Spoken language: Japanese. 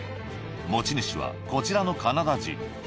持ち主はこちらのカナダ人。